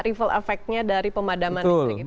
ripple effectnya dari pemadaman listrik itu sendiri